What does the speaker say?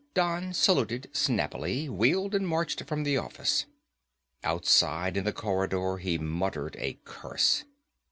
Don saluted snappily, wheeled and marched from the office. Outside, in the corridor, he muttered a curse.